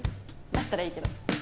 だったらいいけど。